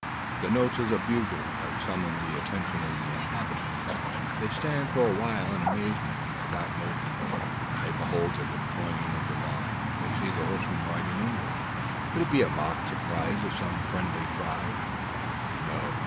The notes of the bugle have summoned the attention of the inhabitants. They stand for a while in amazement, and without motion. They behold the deploying of the line. They see the horsemen ride inward. Could it be a mock surprise of some friendly tribe? No.